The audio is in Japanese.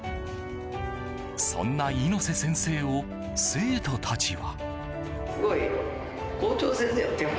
そんな猪瀬先生を生徒たちは。